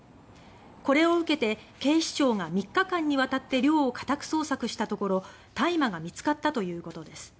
これを受けて警視庁が３日間にわたって寮を家宅捜索したところ大麻が見つかったということです。